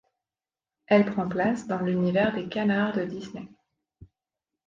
Elle prend place dans l'univers des canards de Disney.